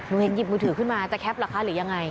เห็นหยิบมือถือขึ้นมาจะแคปเหรอคะหรือยังไง